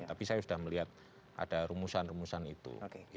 tapi saya sudah melihat ada rumusan rumusan itu